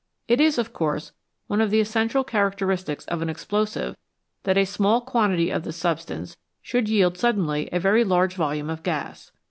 It is, of course, one of the essential characteristics of an explosive that a small quantity of the substance should yield suddenly a very large volume of gas.